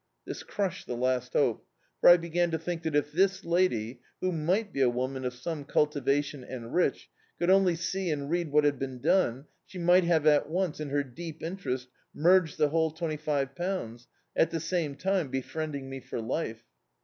This crushed the last hope, for I began to think that if this lady, who might he a woman of swne cultiva ti<«i and rich, could only see and read what had been done, she might have at once, in her deep in terest, merged the whole twenty five pounds, at the same time befriending me for life.